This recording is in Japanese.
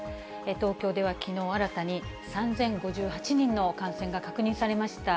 東京ではきのう、新たに３０５８人の感染が確認されました。